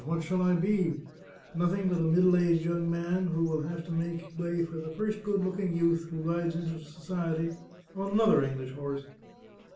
What shall I be ? Noth ing but a middle aged young man who will have to make way for the first good looking youth who rides into society on another English horse."